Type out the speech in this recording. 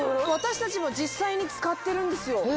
私達も実際に使ってるんですよ